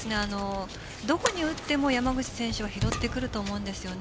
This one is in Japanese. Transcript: どこに打っても山口選手は拾ってくると思うんですよね。